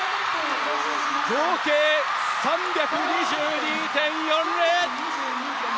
合計３２２．４０！